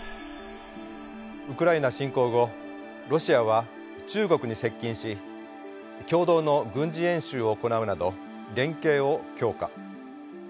ウクライナ侵攻後ロシアは中国に接近し共同の軍事演習を行うなど連携を強化。